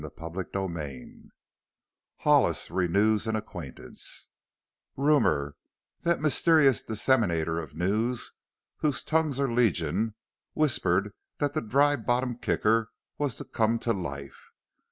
CHAPTER VI HOLLIS RENEWS AN ACQUAINTANCE Rumor, that mysterious disseminator of news whose tongues are legion, whispered that the Dry Bottom Kicker was to come to life.